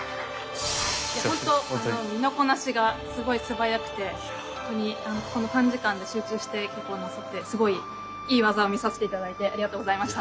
いやほんと身のこなしがすごい素早くて本当にこの短時間で集中して稽古なさってすごいいい技を見させて頂いてありがとうございました。